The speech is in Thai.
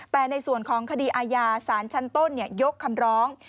แต่ในส่วนของคดีอาญาสารชั้นต้นยกคำร้อง